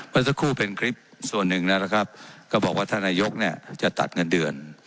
เมื่อสักครู่เป็นคลิปส่วนหนึ่งนะครับก็บอกว่าท่านนายกเนี่ยจะตัดเงินเดือน